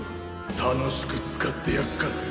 楽しく使ってやっからよ。